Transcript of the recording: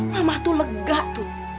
mama tuh lega tut